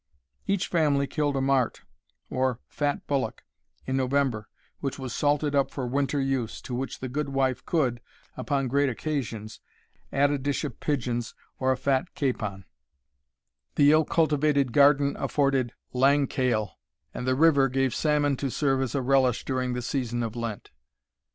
Each family killed a mart, or fat bullock, in November, which was salted up for winter use, to which the good wife could, upon great occasions, add a dish of pigeons or a fat capon, the ill cultivated garden afforded "lang cale," and the river gave salmon to serve as a relish during the season of Lent.